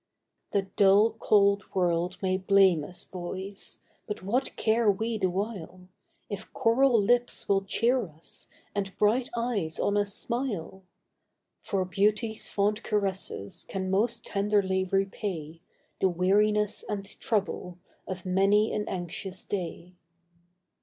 The dull, cold world may blame us, boys! but what care we the while, If coral lips will cheer us, and bright eyes on us smile? For beauty's fond caresses can most tenderly repay The weariness and trouble of many an anxious day.